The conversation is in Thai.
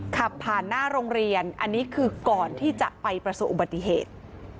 ขับผ่านหน้าโรงเรียนอันนี้คือก่อนที่จะไปประสบอุบัติเหตุ